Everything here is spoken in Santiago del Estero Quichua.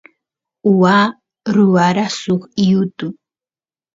waa ruwara suk yutu